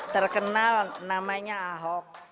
terkenal namanya ahok